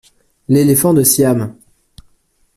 L’éléphant de Siam !